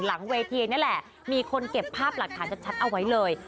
หลังเวทีนี่แหละมีคนเก็บภาพหลักฐานชัดเอาไว้เลย